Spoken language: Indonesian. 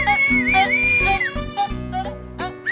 aku sedih untuk berdua sama